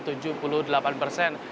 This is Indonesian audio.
tujuh puluh delapan persen